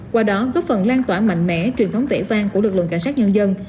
qua đó góp phần lan tỏa mạnh mẽ truyền thống vẽ vang của lực lượng cảnh sát nhân dân